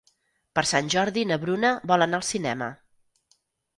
Per Sant Jordi na Bruna vol anar al cinema.